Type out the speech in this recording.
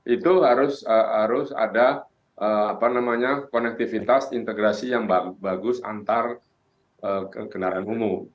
itu harus ada konektivitas integrasi yang bagus antar kendaraan umum